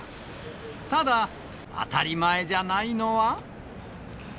ただ、当たり前じゃないのは。